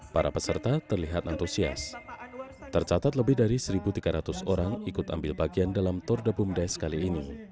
para peserta terlihat antusias tercatat lebih dari satu tiga ratus orang ikut ambil bagian dalam tour de bumdes kali ini